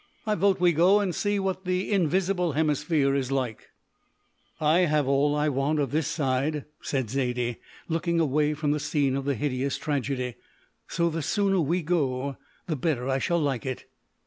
I vote we go and see what the invisible hemisphere is like." "I have had all I want of this side," said Zaidie, looking away from the scene of the hideous tragedy, "so the sooner we go, the better I shall like it."